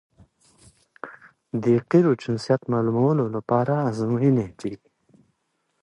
د قیرو جنسیت معلومولو لپاره ازموینې کیږي